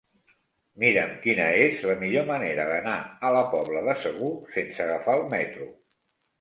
Mira'm quina és la millor manera d'anar a la Pobla de Segur sense agafar el metro.